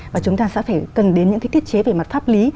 và chúng ta sẽ phải cần đến những cái thiết chế về mặt pháp lý